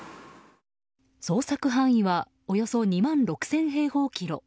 捜索範囲はおよそ２万６０００平方キロ。